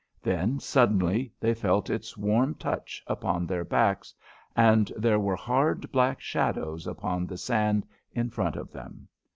Then, suddenly, they felt its warm touch upon their backs, and there were hard black shadows upon the sand in front of them.